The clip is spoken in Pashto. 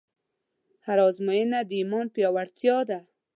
هره ازموینه د ایمان پیاوړتیا ده.